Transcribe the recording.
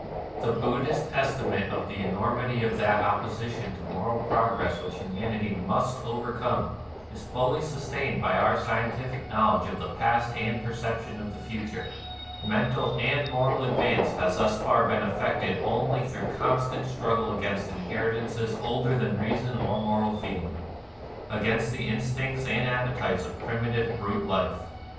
262 NIRVANA The Buddhist estimate of the enormity of that opposition to moral progress which hu manity must overcome is fully sustained by our scientific knowledge of the past and per ception of the future. Mental and moral advance has thus far been effected only through constant struggle against inheritances older than reason or moral feeling, — against the instincts and the appetites of primitive brute life.